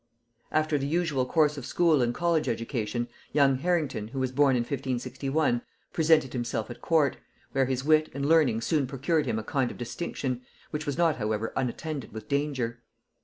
After the usual course of school and college education, young Harrington, who was born in 1561, presented himself at court, where his wit and learning soon procured him a kind of distinction, which was not however unattended with danger.